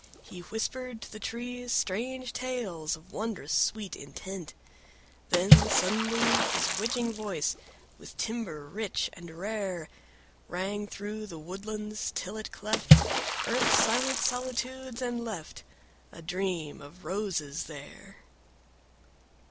He whispered to the trees strange tales Of wondrous sweet intent, When, suddenly, his witching voice With timbre rich and rare, Rang through the woodlands till it cleft Earth's silent solitudes, and left A Dream of Roses there!